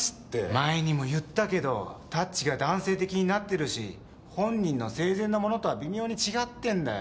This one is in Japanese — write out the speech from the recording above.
前にも言ったけどタッチが男性的になってるし本人の生前のものとは微妙に違ってんだよ。